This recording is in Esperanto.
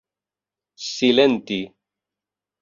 silenti